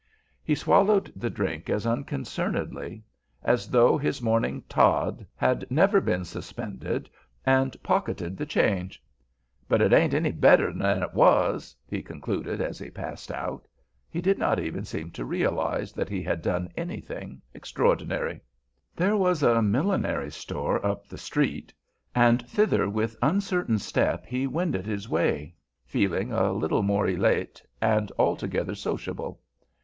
He swallowed the drink as unconcernedly as though his morning tod had never been suspended, and pocketed the change. "But it ain't any better than it was," he concluded, as he passed out. He did not even seem to realize that he had done anything extraordinary. There was a millinery store up the street, and thither with uncertain step he wended his way, feeling a little more elate, and altogether sociable.